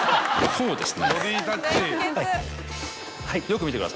こうです。